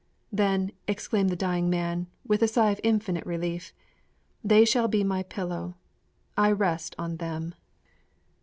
_"' 'Then,' exclaimed the dying man, with a sigh of infinite relief, 'they shall be my pillow. I rest on them.'